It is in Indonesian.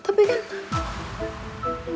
ya tapi kan